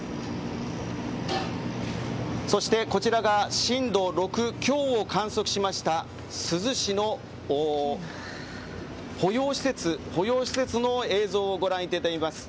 そして、こちらが震度６強を観測しました珠洲市の保養施設の映像をご覧いただいています。